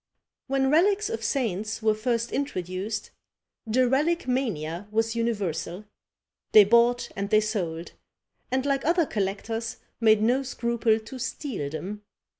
When relics of saints were first introduced, the relique mania was universal; they bought and they sold, and, like other collectors, made no scruple to steal them.